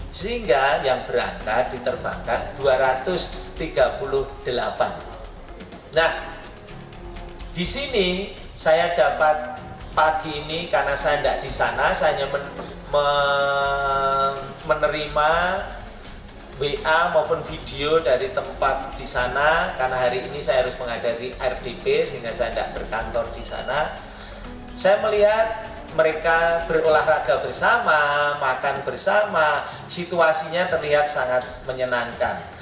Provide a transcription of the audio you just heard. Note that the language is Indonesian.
saya melihat mereka berolahraga bersama makan bersama situasinya terlihat sangat menyenangkan